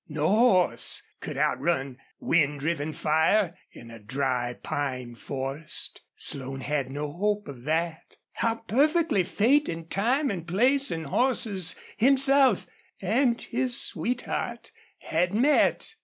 No horse could outrun wind driven fire in a dry pine forest. Slone had no hope of that. How perfectly fate and time and place and horses, himself and his sweetheart, had met!